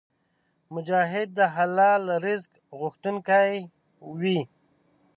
مجاهد د حلال رزق غوښتونکی وي.